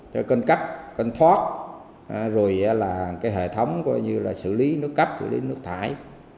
cho cân cấp cân thoát rồi là cái hệ thống coi như là xử lý nước cấp xử lý nước thải